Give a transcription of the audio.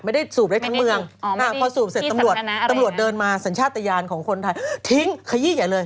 สูบได้ทั้งเมืองพอสูบเสร็จตำรวจตำรวจเดินมาสัญชาติยานของคนไทยทิ้งขยี้ใหญ่เลย